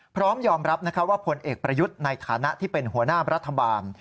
พร้อมยอมรับว่าผลเอกประยุทธ์ในฐานะที่เป็นหัวหน้ารัฐบาล